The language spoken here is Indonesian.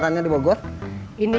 tapi masih banyak tamik